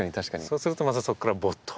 そうするとまたそこからボッと。